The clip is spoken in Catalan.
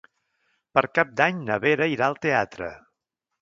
Per Cap d'Any na Vera irà al teatre.